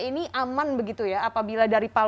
ini aman begitu ya apabila dari